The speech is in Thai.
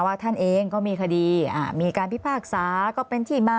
ท่านเองก็มีคดีมีการพิพากษาก็เป็นที่มา